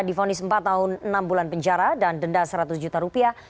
difonis empat tahun enam bulan penjara dan denda seratus juta rupiah